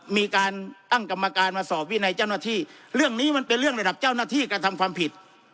มีการตั้งกรรมการมาสอบวินัยเจ้าหน้าที่เรื่องนี้มันเป็นเรื่องระดับเจ้าหน้าที่การทำความผิด